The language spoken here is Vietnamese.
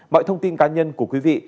mọi thông tin cá nhân của quý vị